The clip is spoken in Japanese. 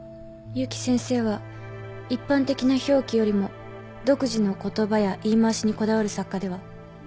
結城先生は一般的な表記よりも独自の言葉や言い回しにこだわる作家では？